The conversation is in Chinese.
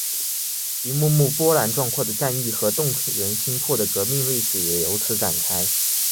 一幕幕波澜壮阔的战役和动人心魄的革命历史也由此展开。